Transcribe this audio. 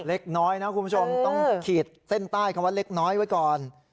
เล็กน้อยนะคุณผู้ชมต้องขีดเส้นใต้คำว่าเล็กน้อยไว้ก่อน